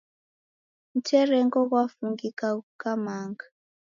Mterengo gwafungika ghukamanga